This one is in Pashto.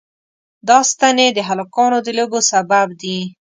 دا ستنې د هلکانو د لوبو سبب دي.